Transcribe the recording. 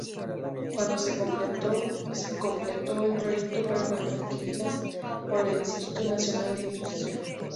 Cuando se completó el proyecto fueron adquiridas por el Instituto Nacional de Industria.